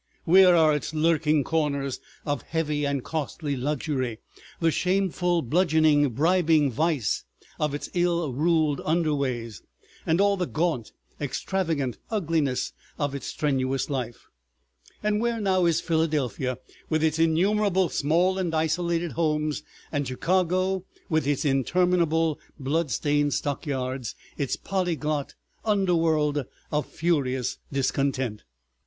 Where are its lurking corners of heavy and costly luxury, the shameful bludgeoning bribing vice of its ill ruled underways, and all the gaunt extravagant ugliness of its strenuous life? And where now is Philadelphia, with its innumerable small and isolated homes, and Chicago with its interminable blood stained stockyards, its polyglot underworld of furious discontent.